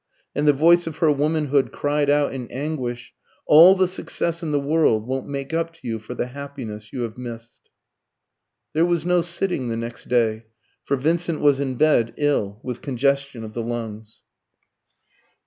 And the voice of her womanhood cried out in anguish "All the success in the world won't make up to you for the happiness you have missed." There was no sitting the next day; for Vincent was in bed, ill, with congestion of the lungs.